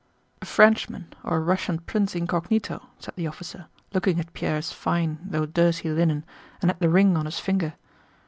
"A Frenchman or a Russian prince incognito," said the officer, looking at Pierre's fine though dirty linen and at the ring on his finger.